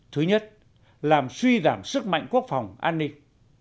thứ nhất làm suy giảm sức mạnh quốc phòng an ninh